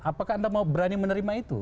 apakah anda mau berani menerima itu